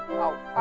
aduh aku gak bisa